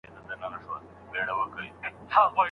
که د استاد او شاګرد مزاج برابر نه وي څېړنه خنډیږي.